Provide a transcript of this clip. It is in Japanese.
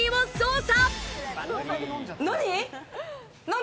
何？